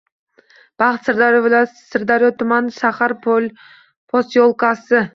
Baxt -Sirdaryo viloyati Sirdaryo tumani, shahar posyolkasi.